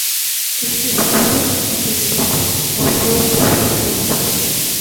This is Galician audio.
Este sábado, en Tenerife, mostrou un bo feixe deles.